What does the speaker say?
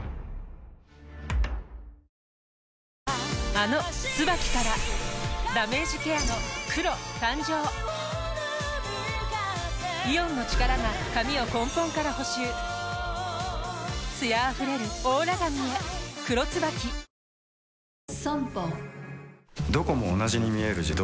あの「ＴＳＵＢＡＫＩ」からダメージケアの黒誕生イオンの力が髪を根本から補修艶あふれるオーラ髪へ「黒ＴＳＵＢＡＫＩ」人間を司る大切な「脳」